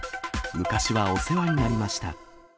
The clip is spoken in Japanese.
昔はお世話になりました。